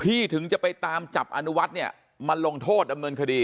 ถึงจะไปตามจับอนุวัฒน์เนี่ยมาลงโทษดำเนินคดี